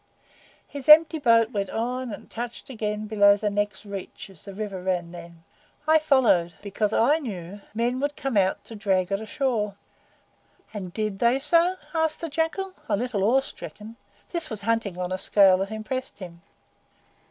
His empty boat went on and touched again below the next reach, as the river ran then. I followed, because I knew men would come out to drag it ashore." "And did they do so?" said the Jackal, a little awe stricken. This was hunting on a scale that impressed him.